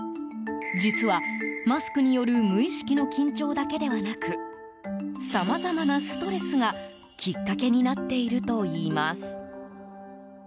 実は、マスクによる無意識の緊張だけではなくさまざまなストレスがきっかけになっているといいます。